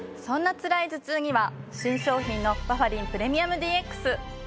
そんなつらい頭痛には新商品のバファリンプレミアムＤＸ！